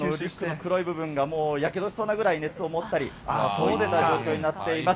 黒い部分がもうやけどしそうなぐらいになったりして、そういった状況になっています。